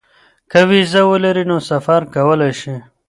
که وېزه ولري نو سفر کولی شي.